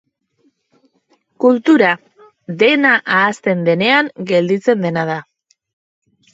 Kultura, dena ahazten denean gelditzen dena da.